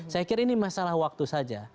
saya kira ini masalah waktu saja